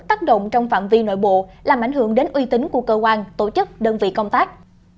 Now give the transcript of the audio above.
tác động trong phạm vi nội bộ làm ảnh hưởng đến uy tín của cơ quan tổ chức đơn vị công tác